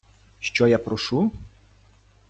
Що я прошу?